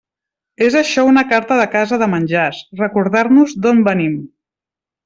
És això una carta de casa de menjars: recordar-nos d'on venim.